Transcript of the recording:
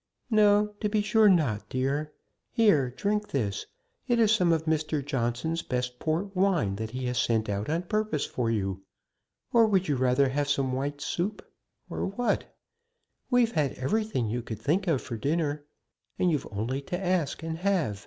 "No; to be sure not, dear. Here, drink this; it is some of Mr. Johnson's best port wine that he has sent out on purpose for you. Or would you rather have some white soup or what? We've had everything you could think of for dinner, and you've only to ask and have.